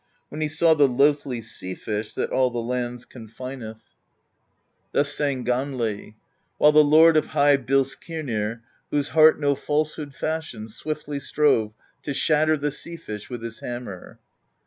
When he saw the loathly sea fish That all the lands confineth. THE POESY OF SKALDS 109 Thus sang Gamli: While the Lord of high Bilskirnir, Whose heart no falsehood fashioned, Swiftly strove to shatter The sea fish with his hammer.